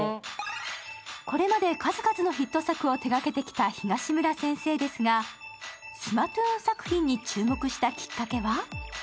これまで数々のヒット作を手掛けてきた東村先生ですが、スマトゥーン作品に注目したきっかけは？